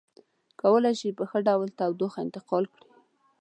کولی شي په ښه ډول تودوخه انتقال کړي.